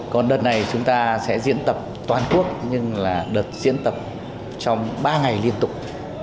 còn đợt này chúng ta sẽ diễn tập toàn quốc nhưng là đợt diễn tập trong ba ngày liên tục